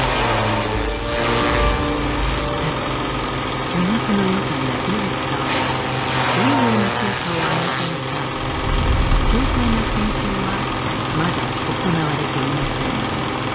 ただ巨額の予算がどう使われどのような効果を上げたのか詳細な検証はまだ行われていません。